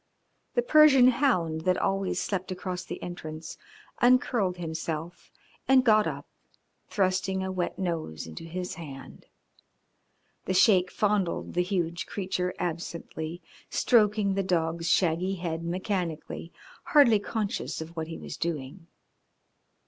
The Persian hound that always slept across the entrance uncurled himself and got up, thrusting a wet nose into his hand. The Sheik fondled the huge creature absently, stroking the dog's shaggy head mechanically, hardly conscious of what he was doing.